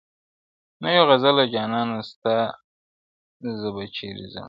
نه یو غزله جانانه سته زه به چیري ځمه-